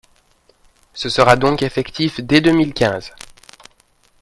Ce sera donc effectif dès deux mille quinze.